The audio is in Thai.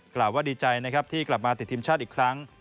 กล่าวว่าดีใจนะครับที่กลับมาติดทีมชาติอีกครั้ง